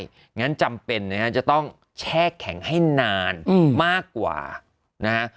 อย่างนั้นจำเป็นนะฮะจะต้องแช่แข็งให้นานมากกว่านะฮะ